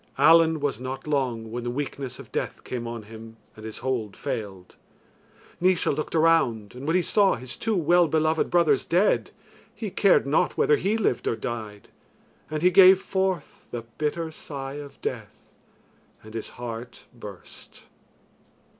Allen was not long when the weakness of death came on him and his hold failed. Naois looked around, and when he saw his two well beloved brothers dead, he cared not whether he lived or died, and he gave forth the bitter sigh of death, and his heart burst.